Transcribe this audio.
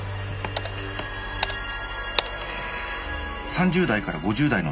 「３０代から５０代の男性。